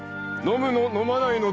飲まないの？